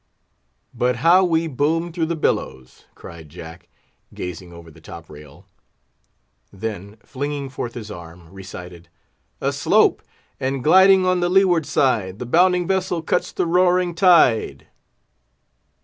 "But how we boom through the billows!" cried Jack, gazing over the top rail; then, flinging forth his arm, recited, "'Aslope, and gliding on the leeward side, The bounding vessel cuts the roaring tide.